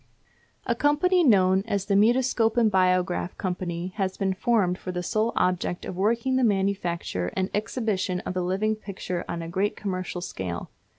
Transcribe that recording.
A company known as the Mutoscope and Biograph Company has been formed for the sole object of working the manufacture and exhibition of the living picture on a great commercial scale.